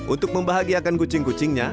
untuk membahagiakan kucing kucingnya